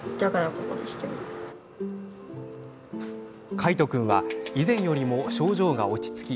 海斗君は以前よりも症状が落ち着き